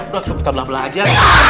sudah langsung kita bela belah aja